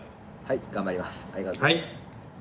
はい。